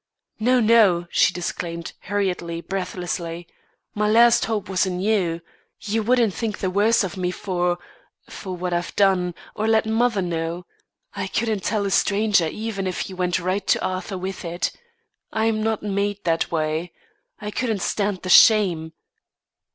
"No, no," she disclaimed, hurriedly, breathlessly. "My last hope was in you. You wouldn't think the worse of me for for what I've done; or let mother know. I couldn't tell a stranger even if he went right to Arthur with it. I'm not made that way. I couldn't stand the shame."